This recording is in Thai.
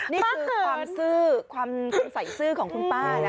นี่คือความซื่อความใส่ซื่อของคุณป้านะ